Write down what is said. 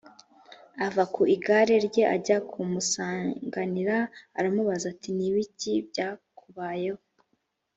ava ku igare rye ajya kumusanganira aramubaza ati nibiki byakubayeho